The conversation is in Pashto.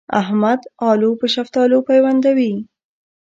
احمد الو په شفتالو پيوندوي.